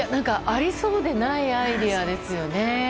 ありそうでないアイデアですよね。